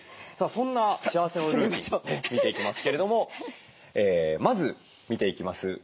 さあそんな幸せのルーティン見ていきますけれどもまず見ていきます